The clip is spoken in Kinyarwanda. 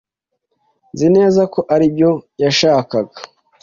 Nzi neza ko aribyo yashakaga.